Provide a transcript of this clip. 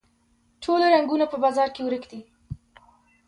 ټوله رنګونه په بازار کې ورک دي